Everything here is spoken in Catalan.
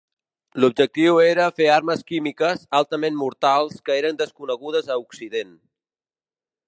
L'objectiu era fer armes químiques altament mortals que eren desconegudes a Occident.